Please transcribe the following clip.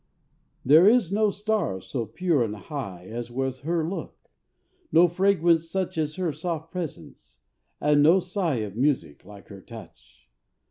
_ _There is no star so pure and high As was her look; no fragrance such At her soft presence; and no sigh Of music like her touch.